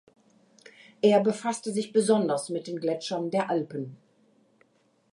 Er befasste sich besonders mit den Gletschern der Alpen.